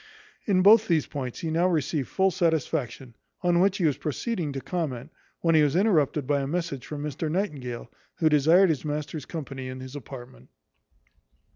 In both these points he now received full satisfaction; on which he was proceeding to comment, when he was interrupted by a message from Mr Nightingale, who desired his master's company in his apartment.